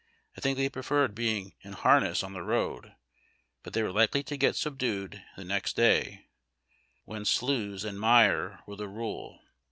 I think they preferred being in harness on the road. But they were likely to get subdued the next day, when sloughs and mire were the rule.